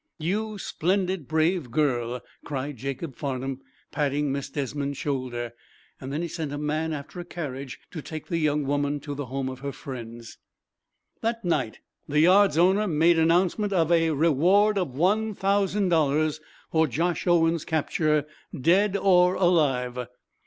"You splendid, brave girl!" cried Jacob Farnum, patting Miss Desmond's shoulder. Then he sent a man after a carriage to take the young woman to the home of her friends. That night the yard's owner made announcement of a reward of one thousand dollars for Josh Owen's capture dead or alive.